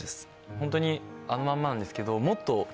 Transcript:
ホントにあのまんまなんですけど。